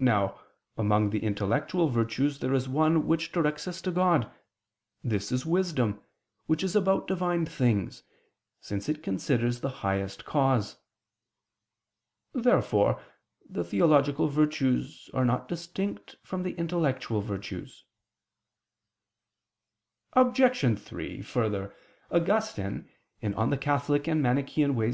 Now, among the intellectual virtues there is one which directs us to God: this is wisdom, which is about Divine things, since it considers the highest cause. Therefore the theological virtues are not distinct from the intellectual virtues. Obj. 3: Further, Augustine (De Moribus Eccl.